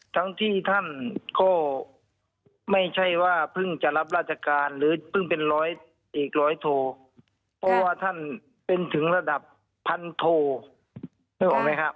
ทั้งที่ท่านก็ไม่ใช่ว่าเพิ่งจะรับราชการหรือเพิ่งเป็นร้อยเอกร้อยโทเพราะว่าท่านเป็นถึงระดับพันโทนึกออกไหมครับ